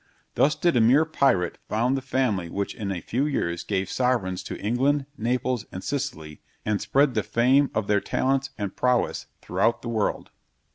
Thus did a mere pirate found the family which in a few years gave sovereigns to England, Naples, and Sicily, and spread the fame of their talents and prowess throughout the world.